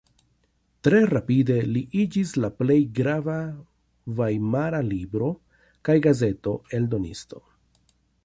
Tre rapide li iĝis la plej grava vajmara libro- kaj gazeto-eldonisto.